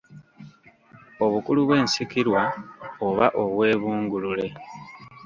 Obukulu bw’ensikirwa oba obwebungulule.